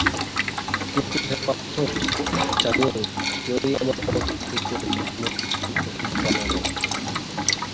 কিন্তু হে পার্থ, জানিও কেহই আমার পথ হইতে কখনও বিচ্যুত হইতে পারে না।